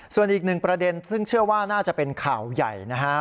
ส่วนอีกหนึ่งประเด็นซึ่งเชื่อว่าน่าจะเป็นข่าวใหญ่นะฮะ